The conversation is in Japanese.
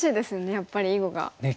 やっぱり囲碁があると。